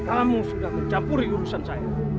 kamu sudah mencampuri urusan saya